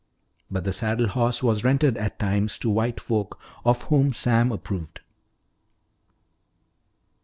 But the saddle horse was rented at times to white folk of whom Sam approved.